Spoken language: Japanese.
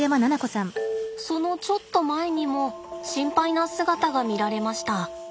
そのちょっと前にも心配な姿が見られました。